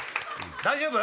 大丈夫？